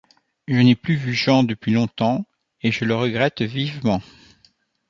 Je n'ai plus vu Jean depuis longtemps, et je le regrette vivement.